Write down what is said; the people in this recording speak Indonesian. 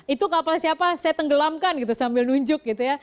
itu kapal siapa saya tenggelamkan gitu sambil nunjuk gitu ya